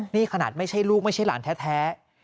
นี่ขนาดไม่ใช่ลูกไม่ใช่หลานแท้